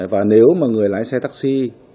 và nếu mà người lái xe taxi